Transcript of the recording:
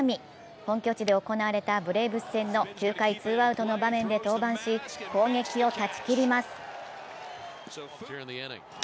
本拠地で行われたブレーブス戦の９回ツーアウトで登板し、攻撃を断ち切ります。